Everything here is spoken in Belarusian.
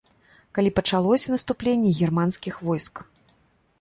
Калі пачалося наступленне германскіх войск.